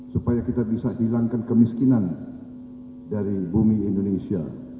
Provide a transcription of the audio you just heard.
supaya kita bisa hilangkan kemiskinan dari bumi indonesia